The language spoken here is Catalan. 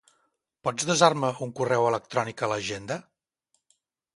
Pots desar-me un correu electrònic a l'agenda?